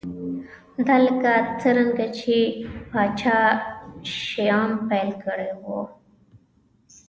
دا لکه څرنګه چې پاچا شیام پیل کړی و